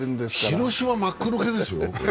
広島、真っ黒けですよ。